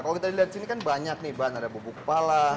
kalau kita lihat disini kan banyak nih ada bubuk pala